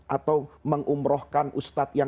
atau mengumrohkan ustad yang